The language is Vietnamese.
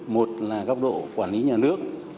một là góc độ quản lý nhà nước